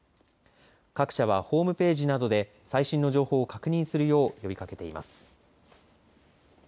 各社はホームページなどで最新の情報を確認するようよびかけています。